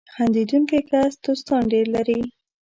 • خندېدونکی کس دوستان ډېر لري.